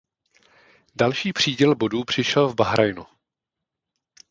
Další příděl bodů přišel v Bahrajnu.